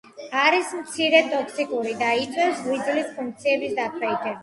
არის მცირედ ტოქსიკური და იწვევს ღვიძლის ფუნქციების დაქვეითებას.